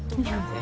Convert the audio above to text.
え。